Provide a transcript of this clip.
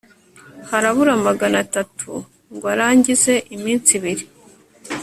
harabura magana atatu ngo arangize iminsi ibiri